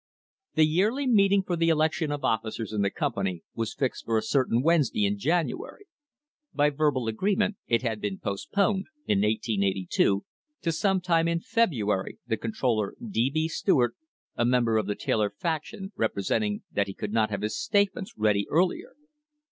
The yearly meeting for the election of officers in the com pany was fixed for a certain Wednesday in January. By verbal agreement it had been postponed, in 1882, to some time in February, the controller, D. B. Stewart, a member of the Taylor faction, representing that he could not have his state ment ready earlier.